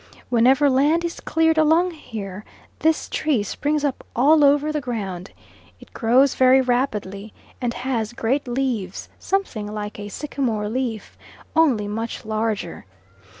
Whenever land is cleared along here, this tree springs up all over the ground. It grows very rapidly, and has great leaves something like a sycamore leaf, only much larger.